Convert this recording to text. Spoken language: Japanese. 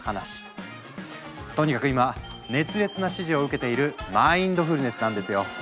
とにかく今熱烈な支持を受けているマインドフルネスなんですよ！